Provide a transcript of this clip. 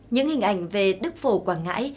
những hình ảnh về đức phổ quảng ngãi